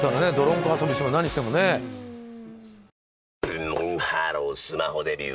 ブンブンハロースマホデビュー！